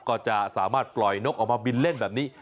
ก็จะสามารถปล่อยนกออกมาบินเล่นแบบนี้